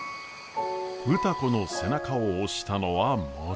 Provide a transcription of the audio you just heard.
歌子の背中を押したのはもちろん。